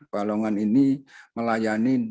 balongan ini melayani